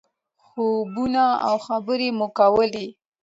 خوبونه او خبرې مو کولې.